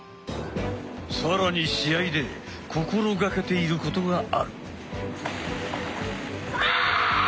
更に試合で心掛けていることがある。